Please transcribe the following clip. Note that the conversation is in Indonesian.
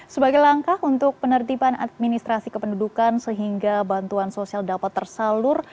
sebagai langkah untuk penertiban administrasi kependudukan sehingga bantuan sosial dapat tersalur